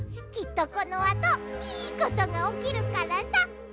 きっとこのあといいことがおきるからさ。